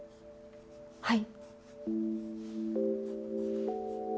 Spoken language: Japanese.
はい。